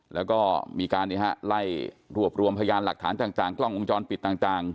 แล้วก็มีการไล่รวบรวมพยานหลักฐานต่างกล้องวงจรปิดต่าง